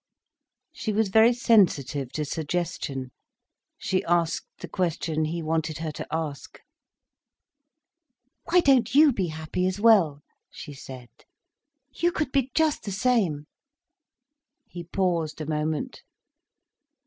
She was very sensitive to suggestion. She asked the question he wanted her to ask. "Why don't you be happy as well?" she said. "You could be just the same." He paused a moment.